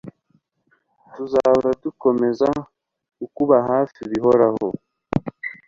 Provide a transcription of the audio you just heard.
tuzahora dukomeza kukubaha Hafi bihoraho